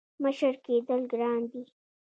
• مشر کېدل ګران دي.